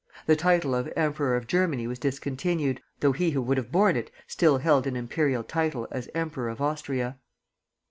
The title of Emperor of Germany was discontinued, though he who would have borne it still held an imperial title as Emperor of Austria.